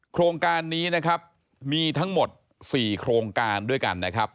โครงการนี้นะครับมีทั้งหมด๔โครงการด้วยกันนะครับ